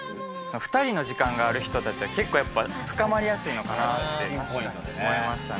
２人の時間がある人たちは結構やっぱ深まりやすいのかなって思いましたね。